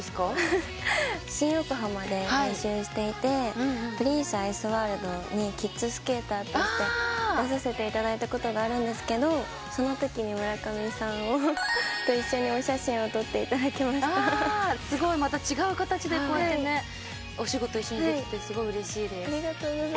新横浜で練習していてプリンスアイスワールドにキッズスケーターとして出させていただいたことがあるんですけどそのときに村上さんと一緒にお写真をすごいまた違う形でこうやってお仕事一緒にできてすごくうれしいです。